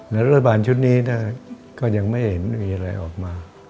แล้วระหว่างชุดนี้ก็ยังไม่เห็นมีอะไรออกมา